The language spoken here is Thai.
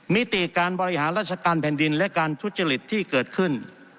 มิติการบริหารราชการแผ่นดินและการทุจริตที่เกิดขึ้น